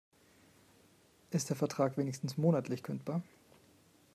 Ist der Vertrag wenigstens monatlich kündbar?